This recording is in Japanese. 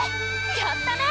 やったね！